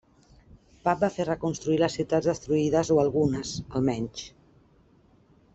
Pap va fer reconstruir les ciutats destruïdes o algunes almenys.